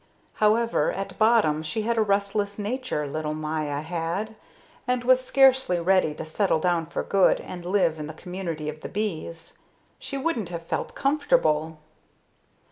However, at bottom she had a restless nature, little Maya had, and was scarcely ready to settle down for good and live in the community of the bees; she wouldn't have felt comfortable.